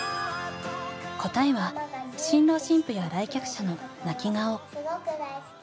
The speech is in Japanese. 答えは新郎新婦や来客者の「泣き顔」。